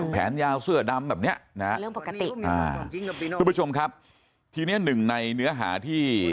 แผนยาวเสื้อดำแบบเนี้ยนะฮะเรื่องปกติอ่าทุกผู้ชมครับทีนี้หนึ่งในเนื้อหาที่